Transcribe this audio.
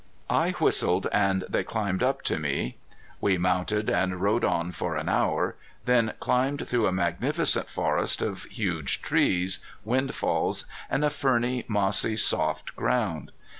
I whistled, and they climbed up to me. We mounted and rode on for an hour, then climbed through a magnificent forest of huge trees, windfalls, and a ferny, mossy, soft ground.